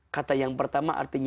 kata yang pertama artinya